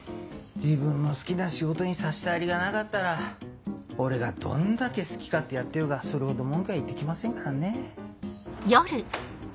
自分の好きな仕事に差し障りがなかったら俺がどんだけ好き勝手やってようがそれほど文句は言ってきませんからね。